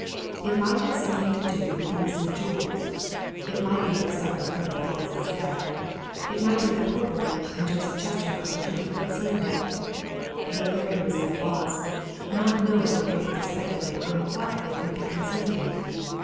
It might have something to do with the missing jewels; it might be mixed up with Frederick Hollis's death; it might be that Horbury and Joseph Chestermarke were jointly concerned in but there he was at a loss, not knowing or being able to speculate on what they could be concerned in.